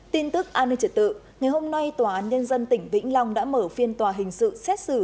tin tức an ninh trật tự ngày hôm nay tòa án nhân dân tỉnh vĩnh long đã mở phiên tòa hình sự xét xử